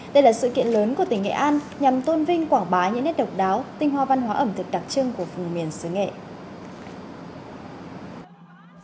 đây là sự kiện lớn của tỉnh nghệ an nhằm tôn vinh quảng bá những nét độc đáo tinh hoa văn hóa ẩm thực đặc trưng của vùng miền xứ nghệ